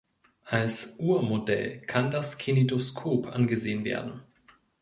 Als Urmodell kann das Kinetoskop angesehen werden.